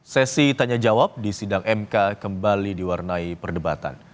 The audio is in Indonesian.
sesi tanya jawab di sidang mk kembali diwarnai perdebatan